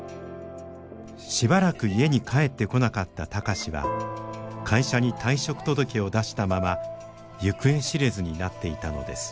しばらく家に帰ってこなかった貴司は会社に退職届を出したまま行方知れずになっていたのです。